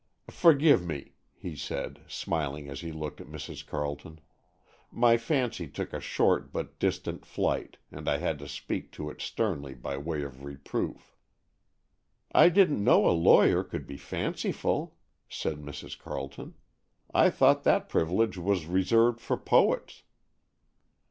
"Forgive me," he said, smiling as he looked at Mrs. Carleton. "My fancy took a short but distant flight, and I had to speak to it sternly by way of reproof." "I didn't know a lawyer could be fanciful," said Mrs. Carleton. "I thought that privilege was reserved for poets."